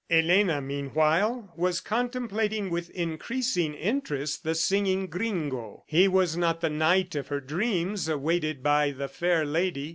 Elena meanwhile was contemplating with increasing interest the singing gringo. He was not the knight of her dreams awaited by the fair lady.